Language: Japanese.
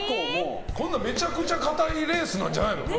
今度はめちゃくちゃかたいレースなんじゃないの？